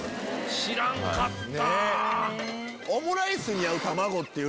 知らんかった！